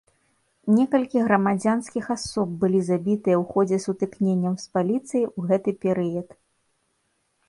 Некалькі грамадзянскіх асоб былі забітыя ў ходзе сутыкненняў з паліцыяй у гэты перыяд.